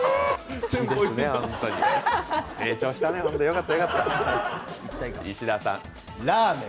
成長したね、よかった、よかった。